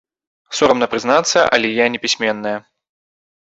Сорамна прызнацца, але я непісьменная.